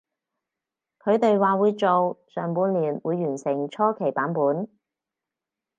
佢哋話會做，上半年會完成初期版本